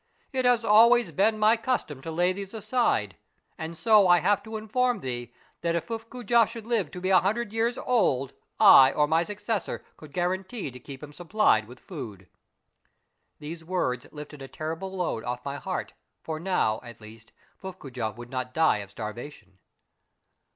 It has always been my custom to lay these aside, and so I have to inform thee that if Fuffcoojah should live to be a hundred years old I or my successor could guarantee to keep Ifim supplied with food." These Avords lifted a terrible load off my heart, for now, at least, Fuffcoojah would not die of starvation.